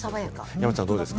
山ちゃん、どうですか？